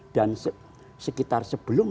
dan sekitar sebelum